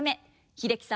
英樹さん